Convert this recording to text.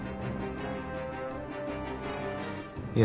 「いや。